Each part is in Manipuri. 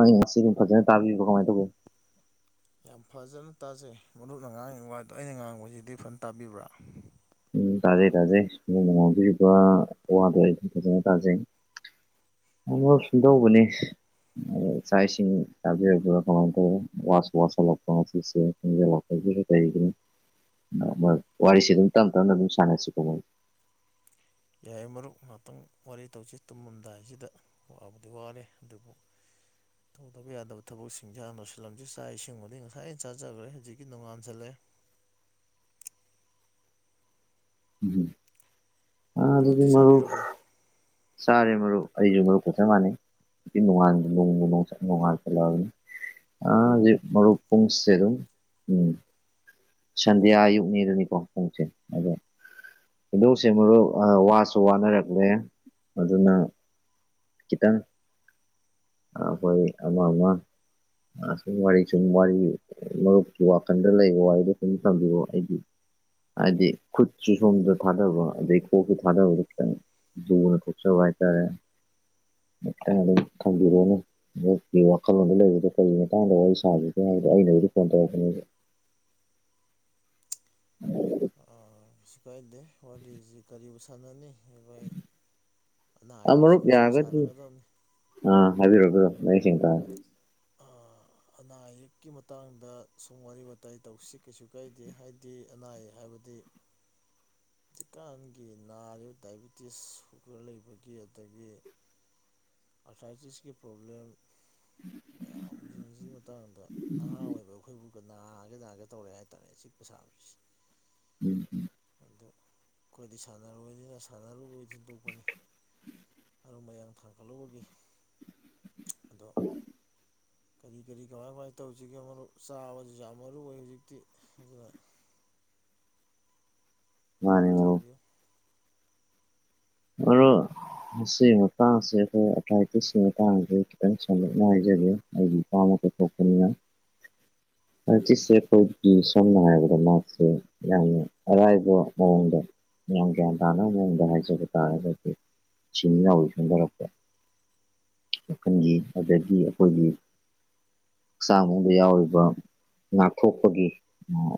ꯑꯩ ꯁꯤ ꯐꯖꯅ ꯇꯥꯕꯤꯕ ꯀꯃꯥꯏ ꯇꯧꯒꯦ ꯌꯥꯝ ꯐꯥꯖꯅ ꯇꯥꯖꯩ ꯃꯔꯨꯞꯅ ꯉꯥꯡꯉꯤꯕ ꯋꯥꯗꯣ ꯑꯩꯅ ꯉꯥꯡꯕꯖꯤꯗꯤ ꯐꯅ ꯇꯥꯕꯤꯕ꯭ꯔꯥ ꯎꯝ ꯇꯥꯖꯩ ꯇꯥꯖꯩ ꯃꯔꯨꯞꯅ ꯉꯥꯡꯕꯤꯔꯤꯕ ꯋꯥꯗꯣ ꯑꯩꯁꯨ ꯐꯥꯖꯅ ꯇꯥꯖꯩ ꯑꯣ ꯑꯣ ꯁꯨꯝꯗꯧꯕꯅꯤꯁ ꯆꯥꯛ ꯏꯁꯤꯡ ꯆꯥꯕꯤꯔꯕ꯭ꯔꯥ ꯀꯃꯥꯏ ꯇꯧꯏ ꯋꯥꯁꯨ ꯋꯥꯁꯤꯜꯂꯛꯄ ꯉꯁꯤꯁꯦ ꯊꯦꯡꯖꯤꯜꯂꯛ [unintelligible] ꯀꯔꯤꯒꯤꯅꯣ ꯃꯣꯏ ꯋꯥꯔꯤꯁꯦ ꯑꯗꯨꯝ ꯇꯞ ꯇꯞꯅ ꯑꯗꯨꯝ ꯁꯥꯟꯅꯁꯤꯀꯣ ꯃꯣꯏ ꯌꯥꯏꯌꯦ ꯃꯔꯨꯞ ꯉꯍꯥꯛꯇꯪ ꯋꯥꯔꯤ ꯇꯧꯁꯤ ꯇꯨꯝꯃꯗꯥꯏꯁꯤꯗ ꯋꯥꯕꯨꯗꯤ ꯋꯥꯔꯦ ꯑꯗꯨꯕꯨ [inaudible] ꯇꯧꯗꯕ ꯌꯥꯗꯕ ꯊꯕꯛꯁꯤꯡꯖꯦ ꯍꯥꯟꯅ ꯂꯣꯏꯁꯤꯜꯂꯝꯖꯤ ꯆꯥꯛ ꯏꯁꯤꯡꯕꯨꯗꯤ ꯉꯁꯥꯏ ꯆꯥꯖꯔꯨꯔꯦ ꯍꯧꯖꯤꯛꯀꯤ ꯅꯣꯡꯉꯥꯟꯖꯜꯂꯑꯦ ꯑ ꯑꯗꯨꯗꯤ ꯃꯔꯨꯞꯇꯤ ꯃꯔꯨꯞ ꯆꯥꯕꯤꯔꯕꯣ ꯆꯥꯔꯦ ꯃꯔꯨꯞ ꯑꯩꯖꯨ ꯃꯔꯨꯞꯀ ꯆꯞ ꯃꯥꯟꯅꯩ ꯅꯣꯡꯉꯥꯟ [unintelligible] ꯅꯣꯡꯉꯥꯟꯁꯟꯂꯛꯑꯕꯅꯤ [unintelligible] ꯃꯔꯨꯞ ꯄꯨꯡꯁꯦ ꯑꯗꯨꯝ ꯎꯝ ꯁꯟꯗꯤꯌꯥ ꯑꯌꯨꯛꯅꯦꯗꯨꯅꯤꯀꯣ ꯄꯨꯡꯁꯦ ꯑꯗꯣ ꯁꯨꯝꯇꯧꯁꯦ ꯃꯔꯨꯞ ꯑꯥ ꯋꯥꯁꯨ ꯋꯥꯅꯔꯕꯅꯦ ꯑꯗꯨꯅ ꯈꯤꯇꯪ ꯑꯥ ꯍꯣꯏ ꯑꯃ ꯃꯥ ꯑꯥ ꯁꯨꯝ ꯋꯥꯔꯤ ꯁꯨꯝ ꯋꯥꯔꯤ ꯃꯔꯨꯞꯀꯤ ꯋꯥꯈꯜꯗ ꯂꯩꯕ ꯋꯥꯔꯤꯗꯣ ꯁꯨꯝ ꯊꯝꯕꯤꯌꯣ ꯑꯩꯗꯤ ꯍꯥꯏꯗꯤ ꯈꯨꯠꯁꯤ ꯁꯣꯝꯗ ꯊꯥꯗꯕ ꯑꯗꯩ ꯀꯣꯛꯁꯨ ꯊꯥꯗꯕ ꯈꯤꯇꯪ ꯂꯨꯅ ꯊꯣꯛꯆꯕ ꯍꯥꯏꯇꯥꯔꯦ ꯃꯊꯪꯗꯩ ꯊꯪꯕꯤꯔꯅꯨ ꯃꯔꯨꯞꯀꯤ ꯋꯥꯈꯜꯂꯣꯟꯗ ꯂꯩꯕꯗꯣ ꯀꯔꯤꯒꯤ ꯃꯇꯥꯡꯗ ꯋꯥꯔꯤ ꯁꯥꯖꯤꯒꯦ ꯍꯥꯏꯕꯗꯣ ꯑꯩꯅꯕꯨꯗꯤ ꯐꯣꯟ ꯇꯧꯔꯛꯄꯅꯦ [inaudible] ꯑꯥ ꯀꯩꯁꯨ ꯀꯥꯏꯗꯦ ꯋꯥꯔꯤꯖꯤ ꯀꯔꯤꯕꯨ ꯁꯥꯟꯅꯅꯤ ꯑꯅꯥ ꯃꯔꯨꯞ ꯑꯌꯦꯛꯁꯤꯡꯁꯤꯒꯤ ꯌꯥꯔꯒꯗꯤ ꯁꯥꯟꯅꯒꯗꯕꯅꯤ ꯑꯥ ꯍꯥꯏꯕꯤꯔꯣ ꯍꯥꯏꯕꯤꯔꯣ ꯃꯌꯦꯛ ꯁꯦꯡꯅ ꯇꯥꯔꯦ ꯑꯥ ꯑꯅꯥ ꯑꯌꯦꯛꯀꯤ ꯃꯇꯥꯡꯗ ꯁꯨꯝ ꯋꯥꯔꯤ ꯋꯥꯇꯥꯏ ꯇꯧꯁꯤ ꯀꯩꯁꯨ ꯀꯥꯏꯗꯦ ꯍꯥꯏꯗꯤ ꯑꯅꯥ ꯑꯌꯦꯛ ꯍꯥꯏꯕꯗꯤ [inaudible] ꯍꯧꯖꯤꯛꯀꯥꯟꯒꯤ ꯅꯥꯔꯤꯕ ꯗꯥꯏꯕꯤꯇꯤꯁ ꯁꯨꯒꯔ ꯂꯩꯕꯒꯤ ꯑꯗꯒꯤ ꯑꯊꯥꯏꯇꯤꯁꯀꯤ ꯄ꯭ꯔꯣꯕ꯭ꯂꯦꯝ ꯃꯌꯥꯝꯖꯤꯡꯖꯤꯒꯤ ꯃꯇꯥꯡꯗ ꯅꯍꯥ ꯑꯣꯏꯕ ꯑꯩꯈꯣꯏꯕꯨ ꯅꯥꯒꯦ ꯅꯥꯒꯦ ꯇꯧꯔꯦ ꯍꯥꯏꯇꯥꯔꯦ ꯆꯤꯛꯄ ꯁꯥꯕꯁꯦ ꯎꯝ ꯍꯝ ꯑꯗꯣ ꯑꯩꯈꯣꯏꯗꯤ ꯁꯥꯟꯅꯔꯣꯏꯅꯤꯅ ꯁꯥꯟꯅꯔꯨꯕꯩ ꯊꯤꯟꯗꯣꯛꯄꯅꯤ ꯑꯔꯨꯝ ꯃꯌꯥꯡ ꯊꯥꯡꯒꯠꯂꯨꯕꯒꯤ ꯑꯗꯣ [unintelligible] ꯀꯔꯤ ꯀꯔꯤ ꯀꯃꯥꯏ ꯀꯃꯥꯏ ꯇꯧꯖꯤꯒꯦ ꯃꯔꯨꯞ ꯆꯥꯕꯖꯤꯖꯨ ꯌꯥꯝ ꯃꯔꯨ ꯑꯣꯏ ꯍꯧꯖꯤꯛꯇꯤ ꯑꯗꯨꯅ ꯃꯥꯅꯦ ꯑꯗꯣꯝꯅ ꯃꯔꯨꯞ ꯊꯝꯕꯤꯌꯨ ꯃꯔꯨꯞ ꯃꯁꯤꯒꯤ ꯃꯇꯥꯡꯁꯦ ꯑꯩꯈꯣꯏ ꯑꯊꯥꯏꯇꯤꯁꯀꯤ ꯃꯇꯥꯡꯖꯤ ꯈꯤꯇꯪ ꯁꯝꯂꯞꯅ ꯍꯥꯏꯖꯒꯦ ꯑꯩꯒꯤ ꯏꯄꯥꯃꯛꯇ ꯊꯣꯛꯄꯅꯤꯅ ꯑꯊꯥꯏꯇꯤꯁꯁꯦ ꯑꯩꯈꯣꯏꯒꯤ ꯁꯝꯅ ꯍꯥꯏꯔꯕꯗ ꯃꯥꯁꯦ ꯌꯥꯝꯅ ꯑꯔꯥꯏꯕ ꯃꯑꯣꯡꯗ ꯃꯌꯥꯝ ꯒ꯭ꯌꯥꯟ ꯇꯥꯅꯕ ꯃꯑꯣꯡꯗ ꯍꯥꯏꯖꯒꯦ ꯇꯥꯔꯒꯗꯤ ꯁꯤꯡꯔꯤ ꯅꯥꯎꯔꯤ ꯁꯣꯟꯗꯔꯛꯄ ꯃꯈꯜꯒꯤ ꯑꯗꯒꯤ ꯑꯩꯈꯣꯏꯒꯤ ꯍꯛꯆꯥꯡ ꯃꯅꯨꯡꯗ ꯌꯥꯎꯔꯤꯕ ꯉꯥꯛꯊꯣꯛꯄꯒꯤ ꯑꯥ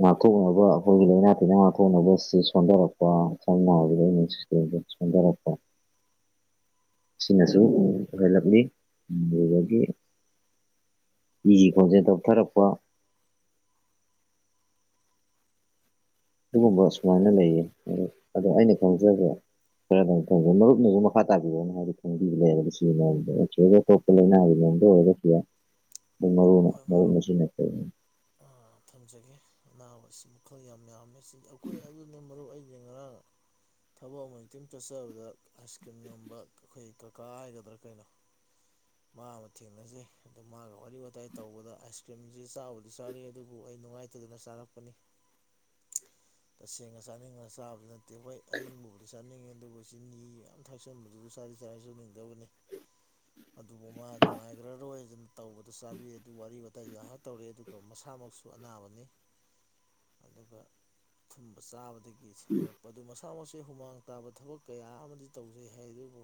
ꯉꯥꯛꯊꯣꯛꯅꯕ ꯑꯩꯈꯣꯏꯒꯤ ꯂꯥꯏꯅꯥ ꯇꯤꯟꯅꯥ ꯉꯥꯛꯊꯣꯛꯅꯕꯁꯤ ꯁꯣꯟꯊꯣꯔꯛꯄ ꯁꯝꯅ ꯍꯥꯏꯕꯗ [unintelligible] ꯁꯣꯟꯗꯔꯛꯄ ꯁꯤꯅꯁꯨ ꯑꯣꯏꯍꯜꯂꯛꯂꯤ ꯑꯗꯨꯗꯒꯤ ꯏꯒꯤ ꯈꯣꯡꯖꯦꯜ ꯇꯞꯊꯔꯛꯄ ꯑꯗꯨꯒꯨꯝꯕ ꯁꯨꯃꯥꯏꯅ ꯂꯩꯌꯦ ꯑꯗꯣ ꯑꯩꯅ ꯈꯪꯖꯕ ꯈꯔ ꯑꯗꯨꯝ [unintelligible] ꯃꯔꯨꯞꯅꯁꯨ ꯃꯈꯥ ꯇꯥꯕꯤꯔꯛꯑꯣꯅꯦ ꯍꯥꯏꯕꯗꯤ ꯈꯪꯕꯤꯕ ꯂꯩꯔꯗꯤ ꯁꯤ [unintelligible] ꯂꯥꯏꯅꯥꯒꯤ ꯃꯑꯣꯡꯗ ꯑꯣꯏꯔꯒꯁꯨ ꯑꯗꯨ ꯃꯔꯨꯑꯣꯏꯅ ꯃꯔꯨꯞꯅ ꯁꯤ [unintelligible] ꯑ ꯊꯝꯖꯒꯦ ꯑꯅꯥꯕꯁꯤ ꯃꯈꯜ ꯌꯥꯝ ꯌꯥꯝꯃꯤ [unintelligible] ꯑꯩꯈꯣꯏ ꯑꯗꯨꯅꯦ ꯃꯔꯨꯞ ꯑꯩꯁꯦ ꯉꯔꯥꯡ ꯊꯕꯛ ꯑꯃꯈꯛꯇꯡ ꯆꯠꯆꯕꯗ ꯑꯥꯏꯁ ꯀ꯭ꯔꯤꯝ ꯌꯣꯟꯝꯕ ꯑꯩꯈꯣꯏ ꯀꯥꯀꯥ ꯍꯥꯏꯒꯗ꯭ꯔꯥ ꯀꯩꯅꯣ ꯃꯥ ꯑꯃ ꯊꯦꯡꯅꯖꯩ ꯑꯗꯨ ꯃꯥꯒ ꯋꯥꯔꯤ ꯋꯥꯇꯥꯏ ꯇꯧꯕꯗ ꯑꯥꯏꯁ ꯀ꯭ꯔꯤꯝꯁꯤ ꯆꯥꯕꯨꯗꯤ ꯆꯥꯔꯛꯑꯦ ꯑꯗꯨꯕꯨ ꯕꯨ ꯑꯩ ꯅꯨꯡꯉꯥꯏꯇꯗꯅ ꯆꯥꯔꯛꯄꯅꯤ ꯇꯁꯦꯡꯅ ꯆꯥꯅꯤꯡꯉ ꯆꯥꯕꯁꯨ ꯅꯠ ꯇꯦ ꯑ ꯍꯣꯏ ꯑꯌꯤꯡꯕꯕꯨꯗꯤ ꯆꯥꯅꯤꯡꯉꯦ ꯑꯗꯨꯕꯨ ꯆꯤꯅꯤ ꯌꯥꯝ ꯊꯥꯛꯆꯟꯕꯗꯨꯗꯁꯨ ꯆꯥꯗꯤ ꯆꯥꯖ ꯅꯤꯡꯗꯕꯅꯤ ꯑꯗꯨꯕꯨ ꯃꯥ ꯅꯨꯡꯉꯥꯏꯈ꯭ꯔꯔꯣꯏꯅ ꯇꯧꯕꯗ ꯆꯥꯕꯤ ꯑꯗꯨ ꯋꯥꯔꯤ ꯋꯥꯇꯥꯏꯁꯨꯥ ꯉꯥꯏꯍꯥꯛ ꯇꯧꯔꯦ ꯑꯗꯨꯒ ꯃꯁꯥꯃꯛꯁꯨ ꯁꯨ ꯑꯅꯥꯕꯅꯤ ꯑꯗꯨꯒ ꯑꯊꯨꯝꯕ ꯆꯥꯕꯗꯒꯤ ꯑꯣꯏꯔꯛꯄ ꯃꯗꯨ ꯃꯁꯥ ꯃꯛꯁꯦ ꯍꯨꯃꯥꯡ ꯇꯥꯕ ꯊꯕꯛ ꯀꯌꯥ ꯑꯃꯗꯤ ꯇꯧꯖꯩ ꯍꯥꯏ ꯑꯗꯨꯕꯨ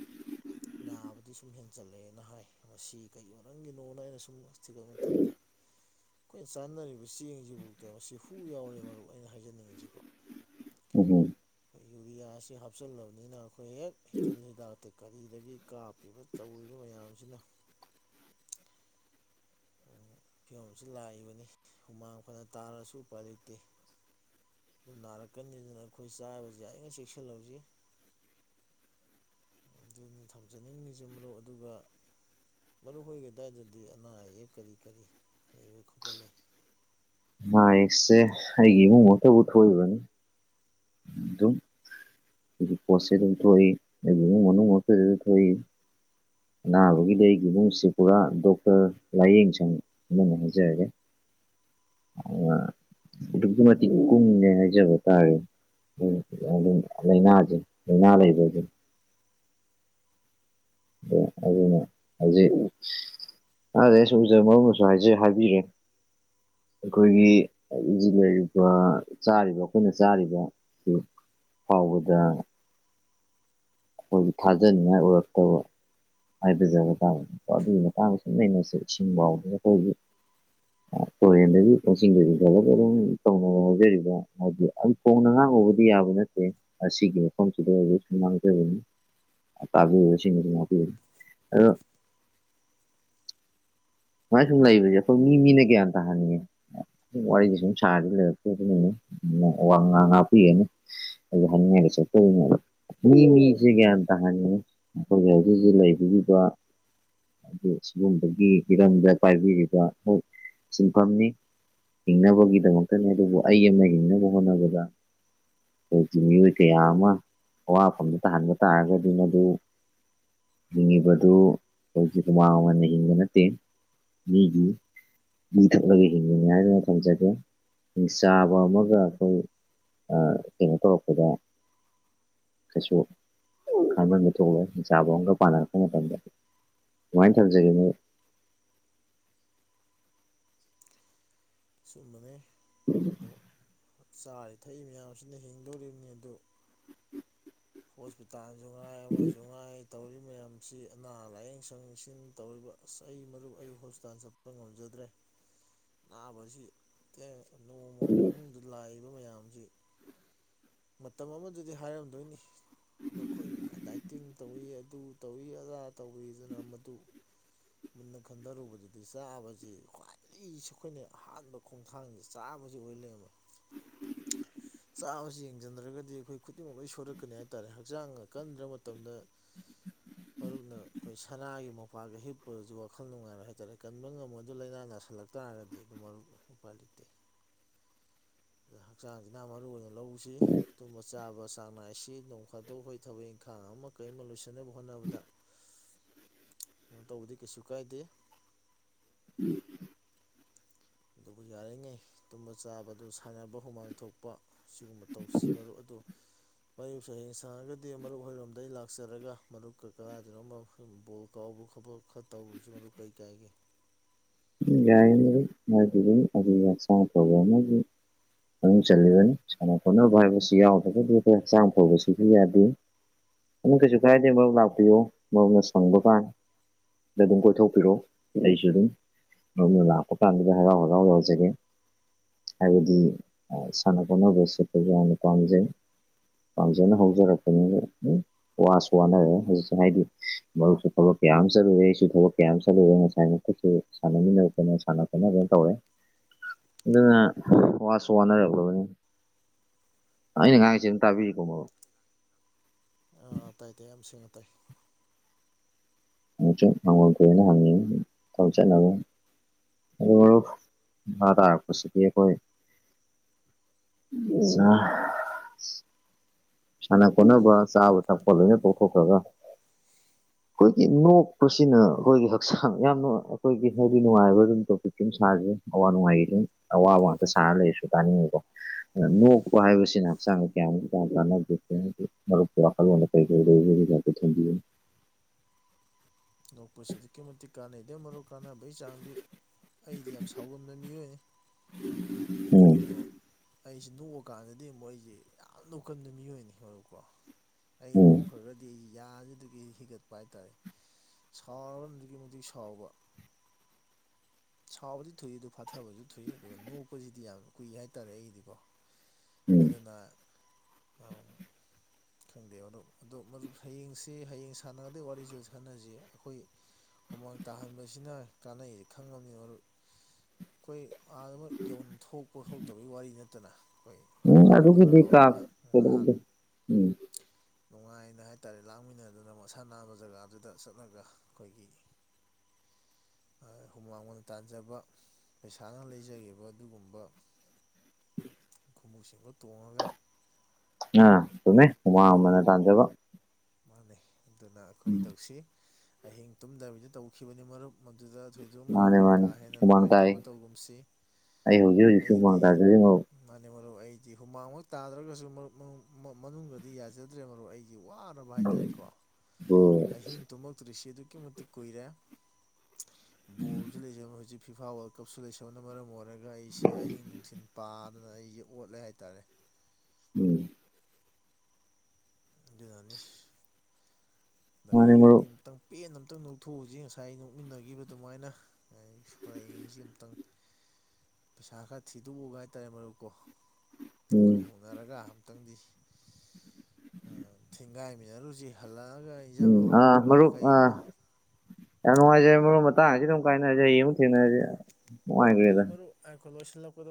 [inaudible] ꯅꯥꯕꯗꯤ ꯁꯨꯝ ꯍꯦꯟꯖꯜꯂꯛꯑꯦꯅ ꯍꯥꯏ ꯃꯁꯤ ꯀꯩ ꯃꯔꯝꯒꯤꯅꯣꯅ ꯑꯩꯅ ꯁꯨꯝ ꯊꯤꯒꯠꯄ ꯃꯇꯝꯗ ꯑꯩꯈꯣꯏꯅ ꯆꯥꯅꯔꯤꯕ ꯆꯦꯡꯁꯤꯐꯥꯎꯗ ꯃꯁꯤ ꯍꯨ ꯌꯥꯎꯔꯦ ꯃꯔꯨꯞ ꯑꯩꯅ ꯍꯥꯏꯖꯅꯤꯡꯉꯤꯁꯤꯀꯣ ꯎꯝ ꯑꯩꯈꯣꯏ ꯌꯨꯔꯤꯌꯥꯁꯤ ꯍꯥꯞꯆꯜꯂꯕꯅꯤꯅ ꯑꯩꯈꯣꯏ ꯍꯦꯛ ꯍꯤꯇꯤꯜ ꯍꯤꯗꯥꯛꯇꯩ ꯀꯔꯤꯗꯒꯤ ꯀꯥꯞꯄꯤꯕ ꯇꯧꯔꯤꯕ ꯃꯌꯥꯝꯁꯤꯅ ꯐꯤꯕꯝꯁꯤ ꯂꯥꯛꯏꯕꯅꯤ ꯍꯨꯃꯥꯡ ꯐꯅ ꯇꯥꯔꯁꯨ ꯎꯄꯥꯏ ꯂꯩꯇꯦ ꯑꯗꯨ ꯅꯥꯔꯛꯀꯅꯤꯗꯅ ꯑꯩꯈꯣꯏ ꯆꯥꯕꯁꯤ ꯌꯥꯔꯤꯉꯩ ꯆꯦꯛꯁꯤꯜꯍꯧꯁꯤ ꯑꯗꯨꯅꯤ ꯊꯝꯖꯅꯤꯡꯉꯤꯁꯦ ꯃꯔꯨꯞ ꯑꯗꯨꯒ ꯃꯔꯨꯞ ꯍꯣꯏꯒꯤ ꯑꯗꯨꯋꯥꯏꯗꯗꯤ ꯑꯅꯥ ꯑꯌꯦꯛ ꯀꯔꯤ ꯀꯔꯤ ꯂꯩꯕ ꯈꯣꯠꯄ ꯂꯩ ꯑꯅꯥ ꯑꯌꯦꯛꯁꯦ ꯑꯩꯒꯤ ꯏꯃꯨꯡ ꯃꯛꯇꯕꯨ ꯊꯣꯛꯏꯕꯅꯤ ꯑꯗꯨꯝ [unintelligible] ꯑꯗꯨꯝ ꯊꯣꯛꯏ ꯑꯩꯒꯤ ꯏꯃꯨꯡ ꯃꯛꯇꯗꯁꯨ ꯊꯣꯛꯏ ꯑꯅꯥꯕꯒꯤꯗꯤ ꯑꯩꯒꯤ ꯏꯃꯨꯡꯁꯤ ꯄꯨꯔꯥ ꯗꯣꯛꯇꯔ ꯂꯥꯏꯌꯦꯡꯁꯪ [unintelligible] ꯑꯗꯨꯛꯀꯤ ꯃꯇꯤꯛ ꯀꯨꯡꯉꯦ ꯍꯥꯏꯖꯕ ꯇꯥꯔꯦ [unintelligible] ꯂꯥꯏꯅꯥꯁꯦ ꯂꯥꯏꯅꯥ ꯂꯩꯕꯁꯦ ꯑꯗꯨ ꯑꯗꯨꯅ ꯍꯧꯖꯤꯛ [unintelligible] ꯍꯥꯏꯖ ꯍꯥꯏꯕꯤꯔꯦ ꯑꯩꯈꯣꯏꯒꯤ ꯍꯧꯖꯤꯛ ꯂꯩꯔꯤꯕ ꯆꯥꯔꯤꯕ ꯑꯩꯈꯣꯏꯅ ꯆꯥꯔꯤꯕ ꯁꯤ ꯐꯥꯎꯕꯗ ꯑꯩꯈꯣꯏꯖꯤ ꯊꯥꯖꯅꯤꯡꯉꯥꯏ ꯑꯣꯏꯔꯛꯇꯕ ꯍꯥꯏꯖꯕ ꯇꯥꯔꯦ ꯑꯗꯨꯒꯤ ꯃꯇꯥꯡꯗ ꯁꯨꯝ ꯅꯩꯅꯁꯦ ꯏꯁꯤꯡ ꯐꯥꯎꯕ ꯑꯩꯈꯣꯏ ꯍꯧꯖꯤꯛ ꯇꯨꯔꯦꯟꯗꯒꯤ [unintelligible] ꯍꯥꯏꯗꯤ ꯌꯥꯝ ꯐꯣꯡꯅ ꯉꯥꯡꯉꯨꯕꯗꯤ ꯌꯥꯕ ꯅꯠꯇꯦ ꯑꯁꯤꯒꯤ ꯃꯐꯝꯁꯤꯗ ꯑꯣꯏꯕ ꯁꯨꯝ ꯉꯥꯡꯖꯕꯅꯤ ꯇꯥꯕꯤꯔꯤꯕꯁꯤꯡꯅꯁꯨ ꯉꯥꯛꯄꯤꯌꯨ ꯑꯗꯨ ꯁꯨꯃꯥꯏ ꯁꯨꯝ ꯂꯩꯕꯁꯦ ꯑꯩꯈꯣꯏ ꯃꯤ ꯃꯤꯅ ꯒꯌꯥꯟ ꯇꯥꯍꯟꯅꯤꯡꯉꯦ ꯋꯥꯔꯤꯁꯦ ꯁꯨꯝ ꯁꯥꯔꯗꯤ ꯂꯩꯔꯛꯇꯕꯅꯤꯅꯦ ꯋꯥ ꯉꯥ ꯉꯥꯄꯤꯒꯅꯤ ꯑꯗꯨ ꯍꯅꯤꯡꯉꯥꯏ [unintelligible] ꯃꯤ ꯃꯤꯖꯤ ꯒ꯭ꯌꯥꯟ ꯇꯥꯍꯟꯅꯤꯡꯉꯤ ꯑꯈꯣꯏꯒꯤ ꯍꯨꯖꯤꯛ ꯍꯨꯖꯤꯛ ꯂꯩꯕꯤꯔꯤꯕ ꯑꯗꯨ ꯁꯤꯒꯨꯝꯕꯒꯤ ꯍꯤꯔꯝꯗ ꯄꯥꯏꯕꯤꯔꯤꯕ ꯍꯣꯏ ꯁꯤꯟꯐꯝꯅꯤ ꯍꯤꯡꯅꯕꯒꯤꯗꯃꯛꯇꯅꯦ ꯑꯗꯨꯕꯨ ꯑꯩ ꯑꯃ ꯍꯤꯡꯅꯕ ꯍꯣꯠꯅꯕꯗ ꯈꯣꯏꯒꯤ ꯃꯤꯑꯣꯏ ꯀꯌꯥ ꯑꯃ ꯑꯋꯥꯐꯝꯗ ꯇꯥꯍꯟꯕ ꯇꯥꯔꯒꯗꯤ ꯃꯗꯨ ꯍꯤꯡꯉꯤꯕꯗꯨ ꯈꯣꯏꯒꯤ ꯍꯨꯃꯥꯡ ꯃꯃꯟꯅ ꯍꯤꯡꯕ ꯅꯠꯇꯦ ꯃꯤꯒꯤ ꯏ ꯊꯛꯂꯒ ꯍꯤꯡꯕꯅꯤ ꯍꯥꯏꯗꯨꯅ ꯊꯝꯖꯒꯦ ꯍꯤꯡꯆꯥꯕ ꯑꯃꯒ ꯑꯈꯣꯏ ꯑ ꯀꯦꯅꯣ ꯇꯧꯔꯛꯄꯗ ꯀꯩꯁꯨ ꯈꯥꯃꯟꯕ ꯊꯣꯛꯂꯣꯏ ꯍꯤꯡꯆꯥꯕ ꯑꯃꯒ ꯄꯥꯟꯅꯔꯛꯄ ꯃꯇꯝꯗ ꯁꯨꯃꯥꯏꯟ ꯊꯝꯖꯒꯦꯅꯦ ꯆꯨꯝꯕꯅꯦ ꯗꯣ ꯆꯥꯔꯤ ꯊꯛꯏ ꯃꯌꯥꯝꯁꯤꯅ ꯍꯤꯡꯗꯣꯔꯤꯕꯅꯤ ꯑꯗꯨ ꯍꯣꯁꯄꯤꯇꯥꯜꯁꯨ ꯉꯥꯏ ꯑꯃꯖꯨ ꯉꯥꯏ ꯇꯧꯔꯤꯕ ꯃꯌꯥꯝꯁꯤ ꯑꯅꯥ ꯂꯥꯏꯌꯦꯡ ꯁꯪ ꯁꯤꯡ ꯇꯧꯔꯤꯕ ꯑꯁ ꯑꯩ ꯃꯔꯨꯞ ꯑꯩ ꯍꯣꯁꯄꯤꯇꯥꯜ ꯆꯠ ꯄ ꯉꯝꯖꯗ꯭ꯔꯦ ꯅꯥꯕꯁꯤ ꯀꯦ ꯅꯣꯡꯃ ꯃꯅꯨꯡꯗ ꯂꯥꯛꯏꯕ ꯃꯌꯥꯝꯖꯤ ꯃꯇꯝ ꯑꯃꯗꯨꯗꯤ ꯍꯥꯏꯔꯝꯗꯣꯏꯅꯤ ꯅꯈꯣꯏꯅ ꯗꯥꯏꯠꯇꯤꯡ ꯇꯧꯋꯤ ꯑꯗꯨ ꯇꯧꯋꯤ ꯑꯗꯥ ꯇꯋꯤꯗꯅ ꯃꯗꯨ ꯃꯨꯟꯅ ꯈꯟꯗꯔꯨꯕꯗꯗꯤ ꯆꯥꯕꯖꯤ ꯈ꯭ꯋꯥꯏꯗꯒꯤ ꯏꯁ ꯑꯈꯣꯏꯅ ꯑꯍꯥꯟꯕ ꯈꯣꯡꯊꯥꯡꯅꯤ ꯆꯥꯕꯖꯤ ꯑꯣꯏ ꯂꯩꯔꯝꯃꯦ [inaudible] ꯆꯥꯕꯖꯤ ꯌꯦꯡꯖꯟꯗ꯭ꯔꯒꯗꯤ ꯑꯈꯣꯏ ꯈꯨꯗꯤꯡꯃꯛ ꯂꯣꯏ ꯁꯣꯏꯔꯛꯀꯅꯤ ꯍꯥꯏꯇꯥꯥꯔꯦ ꯍꯛꯆꯥꯡ ꯀꯟꯗ꯭ꯔ ꯃꯇꯝꯗ ꯃꯔꯨꯞꯅ ꯑꯈꯣꯏ ꯁꯅꯥꯒꯤ ꯃꯣꯝꯄꯥꯛꯇ ꯍꯤꯞ ꯄꯒꯖꯨ ꯋꯥꯈꯜ ꯅꯨꯡꯉꯥꯏꯔꯣꯏ ꯍꯥꯏꯇꯥꯔꯦ ꯀꯟꯕ ꯉꯝꯃꯣꯏꯗꯨ ꯂꯥꯏꯅꯥ ꯅꯥꯁꯤꯜꯂꯛ ꯇꯥꯔꯗꯤ ꯑꯗꯨꯝ ꯃꯔꯨꯞ ꯎꯄꯥꯏ ꯂꯩꯇꯦ [inaudible] ꯑꯗꯨꯅ ꯍꯛꯆꯥꯡꯖꯤꯅ ꯃꯔꯨ ꯑꯣꯏꯅ ꯂꯧꯁꯤ ꯇꯨꯝꯕ ꯆꯥꯕ ꯆꯥꯡ ꯅꯥꯏꯁꯤ ꯅꯣꯡ ꯐꯗꯣꯛ ꯍꯣꯏ ꯊꯕꯛ ꯏꯪꯈꯥꯡ ꯑꯃ ꯀꯩꯃ ꯂꯣꯏꯁꯤꯟꯅꯕ ꯍꯣꯠꯅꯕꯗ [inaudible] ꯀꯩꯅꯣ ꯇꯧꯕꯗꯤ ꯀꯩꯁꯨ ꯀꯥꯏꯗꯦ [unintelligible] ꯑꯗꯨꯕꯨ ꯌꯥꯔꯤꯉꯩ ꯇꯨꯝꯕ ꯆꯥꯕꯗꯨ ꯁꯥꯟꯅꯕ ꯍꯨꯃꯥꯡ ꯊꯣꯛꯄ ꯁꯤꯒꯨꯝꯕ ꯇꯧꯁꯤ ꯃꯔꯨꯞ ꯑꯗꯨ ꯃꯌꯨꯞꯁꯨ ꯍꯌꯦꯡ ꯁꯪꯉꯒꯗꯤ ꯃꯔꯨꯞ ꯍꯣꯏꯔꯣꯝꯗꯩ ꯂꯥꯛꯆꯔꯒ ꯃꯔꯨꯞꯀ ꯀꯗꯥꯏꯗꯅꯣꯝꯃ ꯁꯨꯝ ꯕꯣꯜ ꯀꯥꯎꯕ ꯈꯣꯠꯄ ꯈꯔ ꯇꯧꯔꯨꯖꯤ ꯃꯔꯨꯞ ꯀꯩ ꯀꯥꯏꯒꯦ ꯎꯝ ꯌꯥꯏꯌꯦ ꯃꯔꯨꯞ [unintelligible] ꯍꯛꯆꯥꯡ ꯐꯕꯅꯗꯤ ꯃꯅꯨꯡ ꯆꯜꯂꯤꯕꯅꯤ ꯁꯥꯟꯅ ꯈꯣꯠꯅꯕ ꯍꯥꯏꯕꯁꯤ ꯌꯥꯎꯗ꯭ꯔꯒꯗꯤ ꯑꯈꯣꯏ ꯍꯛꯆꯥꯡ ꯐꯕꯁꯤꯁꯨ ꯌꯥꯗꯦ ꯑꯗꯨꯝ ꯀꯩꯁꯨ ꯀꯥꯏꯗꯦ ꯃꯔꯨꯞ ꯂꯥꯛꯄꯤꯌꯣ ꯃꯔꯨꯞꯅ ꯁꯪꯕ ꯀꯥꯟ ꯗ ꯑꯗꯨꯝ ꯀꯣꯏꯊꯣꯛꯄꯤꯔꯣ ꯑꯩꯖꯨ ꯑꯗꯨꯝ ꯃꯔꯨꯞꯅ ꯂꯥꯛꯄ ꯀꯥꯟꯗꯨꯗ ꯍꯔꯥꯎ ꯍꯔꯥꯎ ꯌꯥꯎꯖꯒꯦ ꯍꯥꯏꯕꯗꯤ ꯑ ꯁꯅꯥ ꯈꯣꯠꯅꯕ ꯆꯠꯄꯖꯤ ꯌꯥꯝꯅ ꯄꯥꯝꯖꯩ ꯄꯥꯝꯖꯅ ꯍꯧꯖꯔꯛꯄꯅꯤꯅ [unintelligible] ꯋꯥꯁꯨ ꯋꯥꯅꯔꯦ ꯍꯧꯖꯤꯛꯁꯦ ꯍꯥꯏꯗꯤ ꯃꯔꯨꯞꯁꯨ ꯊꯕꯛ ꯀꯌꯥꯃ ꯆꯠꯂꯨꯔꯦ ꯑꯩꯁꯨ ꯊꯕꯛ ꯀꯌꯥꯃ ꯆꯠꯂꯨꯔꯦ ꯉꯁꯥꯏ ꯃꯈꯩꯁꯨ ꯁꯥꯟꯅꯃꯤꯟꯅꯕ ꯀꯩꯅꯣ ꯁꯥꯟꯅ ꯈꯣꯠꯅꯕ ꯇꯧꯔꯦ ꯑꯗꯨꯅ ꯋꯥꯁꯨ ꯋꯥꯅꯔꯛꯂꯕꯅꯤ ꯑ ꯑꯩꯅ ꯉꯥꯡꯉꯤꯁꯦ ꯑꯗꯨꯝ ꯇꯥꯕꯤꯔꯤꯀꯣ ꯕ꯭ꯔꯣ ꯑꯥ ꯇꯥꯏ ꯇꯥꯏ ꯌꯥꯝ ꯁꯦꯡꯅ ꯇꯥꯏ [unintelligible] ꯍꯪꯉꯤꯅꯤ [unintelligible] ꯑꯣ ꯃꯔꯨꯞ ꯃꯈꯥ ꯇꯥꯔꯛꯄꯁꯤꯗꯤ ꯑꯩꯈꯣꯏ [unintelligible] ꯁꯥꯟꯅ ꯈꯣꯠꯅꯕ ꯆꯥꯕ ꯊꯛꯄ ꯂꯣꯏꯅ ꯇꯣꯛꯊꯣꯛꯈ꯭ꯔꯒ ꯑꯩꯈꯣꯏꯒꯤ ꯅꯣꯛꯄꯁꯤꯅ ꯑꯩꯈꯣꯏꯒꯤ ꯍꯛꯆꯥꯡ ꯌꯥꯝꯅ ꯑꯩꯈꯣꯏꯒꯤ ꯍꯥꯏꯗꯤ ꯅꯨꯡꯉꯥꯏꯕ ꯑꯗꯨꯝ ꯇꯣꯄꯤꯛ ꯁꯨꯝ ꯁꯥꯖꯦ ꯑꯋꯥ ꯅꯨꯡꯉꯥꯏꯒꯤ ꯑꯗꯨꯝ ꯑꯋꯥꯕ ꯉꯥꯛꯇ ꯁꯥꯔ ꯂꯩꯔꯁꯨ ꯇꯥꯅꯤꯡꯉꯣꯏꯗꯣ ꯅꯣꯛꯄ ꯍꯥꯏꯕꯁꯤꯅ ꯍꯛꯆꯥꯡꯗ ꯀꯌꯥꯃꯨꯛ [unintelligible] ꯀꯥꯟꯅ [unintelligible] ꯃꯔꯨꯞꯀꯤ ꯋꯥꯈꯜꯂꯣꯟꯗ ꯀꯩꯀꯩ ꯂꯩꯒꯦꯗꯨꯖꯨ [unintelligible] ꯊꯝꯕꯤꯌꯨꯟ ꯅꯣꯛꯄꯁꯤ ꯑꯗꯨꯛꯀꯤ ꯃꯇꯤꯛ ꯀꯥꯟꯅꯩꯗ ꯃꯔꯨꯞ ꯀꯥꯟꯅꯕꯩ ꯆꯥꯡꯗꯤ ꯑꯩꯗꯤ ꯌꯥꯝ ꯁꯥꯎꯒꯟꯕ ꯃꯤ ꯃꯤꯑꯣꯏꯅꯤ ꯎꯝ ꯑꯗꯨꯕꯨ ꯑꯩꯁꯤ ꯅꯣꯛꯑꯀꯥꯟꯗꯗꯤ ꯑꯃꯨꯛ ꯑꯩꯖꯦ ꯌꯥꯝ ꯅꯣꯛꯀꯟꯕ ꯃꯤꯑꯣꯏꯅꯤ ꯍꯣꯏꯕꯀꯣ ꯑꯩ ꯎꯝ ꯅꯣꯛꯈ꯭ꯔꯒꯗꯤ ꯌꯥꯖꯤꯗꯒꯤ ꯍꯤꯒꯠꯄ ꯍꯥꯏꯇꯥꯔꯦ ꯁꯥꯎꯔꯒꯅ ꯑꯗꯨꯛꯀꯤ ꯃꯇꯤꯛ ꯁꯥꯎꯕ [inaudible] ꯁꯥꯎꯕꯗꯤ ꯊꯨꯏ ꯑꯗꯨ ꯐꯥꯊꯕꯖꯨ ꯊꯨꯏ ꯑꯗꯨꯒ ꯅꯣꯛꯄꯖꯤꯗꯤ ꯌꯥꯝ ꯀꯨꯏ ꯍꯥꯏꯇꯥꯔꯦ ꯑꯩꯒꯤꯗꯤꯀꯣ ꯎꯝ ꯑꯗꯨꯅ [unintelligible] ꯈꯪꯗꯦ ꯑꯗꯣ ꯑꯗꯨ ꯃꯗꯨ ꯍꯌꯦꯡꯁꯤ ꯍꯌꯦꯡ ꯁꯥꯟꯅꯗꯣꯏ ꯋꯥꯔꯤꯖꯦ [unintelligible] ꯁꯥꯟꯅꯖꯤ ꯑꯩꯈꯣꯏ ꯍꯨꯃꯥꯡ ꯇꯥꯍꯟꯕꯁꯤꯅ ꯀꯥꯟꯅꯩ ꯈꯪꯉꯕꯅꯤ ꯃꯔꯨꯞ ꯑꯩꯈꯣꯏ ꯑꯥꯗ ꯃꯣꯏ ꯌꯧ ꯊꯣꯛꯄ ꯊꯣꯛꯇꯕꯒꯤ ꯋꯥꯔꯤ ꯅꯠꯇꯅ ꯑꯩꯈꯣꯏ ꯎꯝ ꯏꯃꯥꯟꯅꯕ ꯈꯔ ꯑꯗꯨꯒꯤꯗꯤ ꯀꯥ ꯍꯧꯔꯒ ꯉꯍꯥꯛ ꯀꯩꯗꯧꯗꯦ ꯎꯝ ꯅꯨꯡꯉꯥꯏꯅ ꯍꯥꯏꯇꯥꯔꯦ ꯂꯥꯡꯃꯤꯟꯅꯗꯨꯅ ꯃꯁꯥ ꯅꯥꯟꯕ ꯖꯒꯥꯗꯨꯗ ꯆꯠꯂꯒ ꯑꯩꯈꯣꯏꯒꯤ ꯑꯥ ꯍꯨꯃꯥꯡ ꯃꯟꯅ ꯇꯥꯟꯖꯕ ꯄꯩꯁꯥꯅ ꯂꯩꯖꯒꯤꯕ ꯑꯗꯨꯒꯨꯝꯕ ꯈꯨꯃꯨꯛꯁꯤꯡꯗꯣ ꯇꯣꯡꯉꯒ ꯑꯥ ꯆꯨꯝꯃꯤ ꯍꯨꯃꯥꯡꯃꯟꯅ ꯇꯥꯟꯖꯕ ꯃꯥꯅꯤ ꯑꯗꯨꯅ ꯑꯩꯈꯣꯏ ꯇꯧꯁꯤ ꯑꯍꯤꯡ ꯇꯨꯝꯗꯕꯤꯗ ꯇꯧꯈꯤꯕꯅꯤ ꯃꯔꯨꯞ ꯃꯗꯨꯗ [unintelligible] ꯃꯥꯅꯦ [unintelligible] ꯀꯥ ꯃꯥꯅꯦ ꯍꯦꯟꯅ ꯍꯨꯃꯥꯡ ꯇꯥꯏ ꯅꯨꯡꯉꯥꯏꯇꯕ ꯇꯧꯒꯨꯝꯁꯤ ꯑꯩ ꯍꯧꯖꯤꯛ ꯍꯧꯖꯤꯛꯁꯨ ꯍꯨꯃꯥꯡ ꯑꯩꯗꯤ ꯇꯥꯖꯔꯤ ꯃꯔꯨꯞ ꯃꯥꯅꯤ ꯃꯔꯨꯞ ꯑꯩꯗꯤ ꯍꯨꯃꯥꯡꯃꯛ ꯇꯥꯗ꯭ꯔꯒꯁꯨꯨ [unintelligible] ꯃꯅꯨꯡꯗꯗꯤ ꯌꯥꯖꯗ꯭ꯔꯦ ꯃꯔꯨꯞ ꯑꯩꯒꯤ ꯋꯥ [unintelligible] ꯍꯥꯏꯇꯥꯔꯦꯀꯣ ꯑꯍꯤꯡ ꯇꯨꯝꯃꯛꯇ꯭ꯔꯤꯁꯤ ꯑꯗꯨꯛꯀꯤ ꯃꯇꯤꯛ ꯀꯨꯏꯔꯦ ꯕꯣꯜꯖꯨ ꯂꯩꯖꯕ ꯍꯧꯖꯤꯛ ꯐꯤꯐꯥ ꯋꯥꯔꯜ ꯀꯞꯁꯨ ꯂꯩꯁꯟꯕꯅ ꯃꯔꯝ ꯑꯣꯏꯔꯒ ꯑꯩꯁꯦ ꯑꯍꯤꯡ ꯅꯨꯡꯊꯤꯜ ꯄꯥꯗꯅ ꯑꯩꯖꯦ ꯑꯣꯠꯂꯦ ꯍꯥꯏꯇꯥꯔꯦ ꯎꯝ ꯑꯗꯨꯅꯅꯤꯁ ꯑꯗꯣ ꯃꯥꯅꯦ ꯍꯌꯦꯡꯗꯤ ꯃꯔꯨꯞ ꯑꯃꯨꯛꯇꯪ ꯄꯦꯟꯅ ꯑꯃꯨꯛꯇꯪ ꯅꯣꯛꯊꯣꯛꯎꯖꯤ ꯉꯁꯥꯏ ꯅꯣꯛꯃꯤꯟꯅꯒꯤꯕ ꯑꯗꯨꯃꯥꯏꯅ [unintelligible] ꯍꯌꯦꯡꯖꯤ ꯑꯝꯇꯪ ꯄꯩꯁꯥ ꯈꯔ ꯊꯤꯗꯣꯛꯑꯒ ꯍꯥꯏꯇꯥꯔꯦ ꯃꯔꯨꯞꯀꯣ ꯎꯝ ꯈꯣꯏ [unintelligible] ꯅꯔꯒ ꯑꯝꯇꯪꯗꯤ ꯑꯥ ꯊꯦꯡꯒꯥꯏꯃꯤꯟꯅꯔꯨꯖꯤ ꯍꯜꯂꯛꯑꯒ ꯑꯩ ꯏꯟꯖꯥꯡ ꯎꯝ ꯑꯍꯥꯎꯕ ꯑꯥ ꯑꯃ ꯃꯔꯨꯞ ꯀꯩ ꯑꯥ ꯑꯃ ꯌꯥꯝ ꯅꯨꯡꯉꯥꯏꯖꯔꯦ ꯃꯔꯨꯞ ꯃꯇꯥꯡꯖꯤꯗ ꯑꯃꯨꯛ ꯀꯥꯏꯅꯔꯖꯤ ꯍꯌꯦꯡ ꯑꯃꯨꯛ ꯊꯦꯡꯅꯔꯖꯤ ꯑꯗꯨ ꯃꯔꯨꯞ [unintelligible] ꯂꯣꯏꯁꯤꯟꯂꯛꯄꯗꯨ